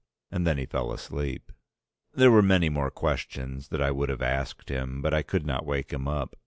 And then he fell asleep. There were many more questions that I would have asked him but I could not wake him up.